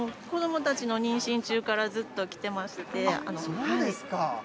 子どもたちの妊娠中からずっと来てまして。